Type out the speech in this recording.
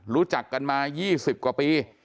รู้จักกันมา๒๐กว่าปี